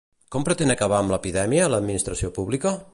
Com pretén acabar amb l'epidèmia, l'administració pública?